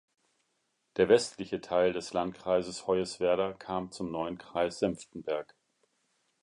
Der westliche Teil des Landkreises Hoyerswerda kam zum neuen Kreis Senftenberg.